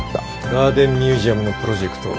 ガーデンミュージアムのプロジェクト